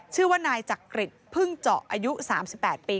ชื่อว่านายจักริตพึ่งเจาะอายุ๓๘ปี